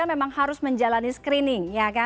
memang harus menjalani screening